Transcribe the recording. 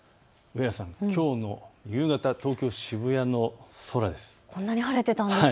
上原さん、きょうの夕方、東京渋谷の空です。